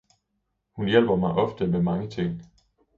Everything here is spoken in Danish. Hun hjælper mig ofte med mange ting.